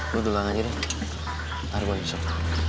lo dulang aja deh nanti gue besok